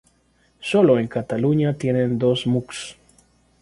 Solo en Cataluña tienen dos mux.